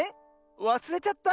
わすれちゃった？